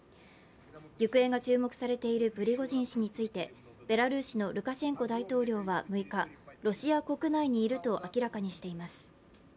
行方が注目されているプリゴジン氏についてベラルーシのルカシェンコ大統領は６日、ロシア国内にいると明らかにしています。